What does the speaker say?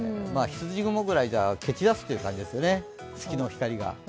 ひつじ雲ぐらいじゃ蹴散らす感じですよね、月の光が。